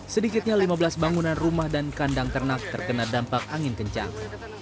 sedikitnya lima belas bangunan rumah dan kandang ternak terkena dampak angin kencang